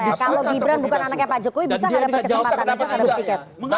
kalau gibran bukan anaknya pak jokowi bisa tidak ada kesempatan